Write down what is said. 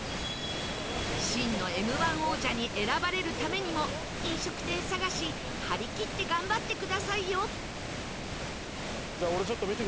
真の Ｍ−１ 王者に選ばれるためにも飲食店探し張り切って頑張ってくださいよ